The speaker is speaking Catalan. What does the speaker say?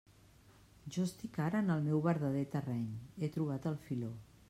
Jo estic ara en el meu verdader terreny; he trobat el filó.